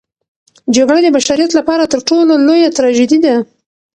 جګړه د بشریت لپاره تر ټولو لویه تراژیدي ده.